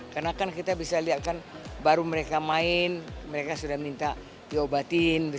karena kan kita bisa lihat kan baru mereka main mereka sudah minta diobatin seperti itu biasa